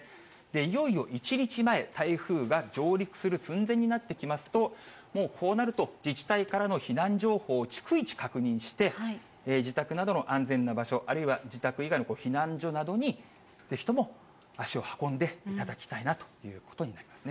いよいよ１日前、台風が上陸する寸前になってきますと、もうこうなると、自治体からの避難情報を逐一確認して、自宅などの安全な場所、あるいは自宅以外の避難所などにぜひとも足を運んでいただきたいなということになりますね。